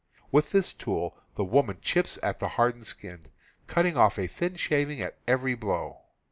With this tool the woman chips at the hard ened skin, cutting off a thin shaving at every blow.